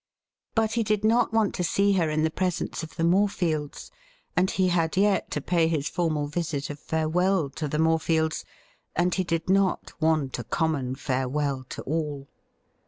But he did not want to see her in the presence of the Morefields, and he had yet to pay his formal visit of farewell to the Morefields, and he did not want a common farewell to all.